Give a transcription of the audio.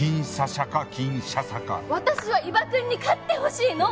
私は伊庭くんに勝ってほしいの！